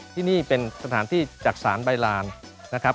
ที่นี่เป็นสถานที่จักษานใบลานนะครับ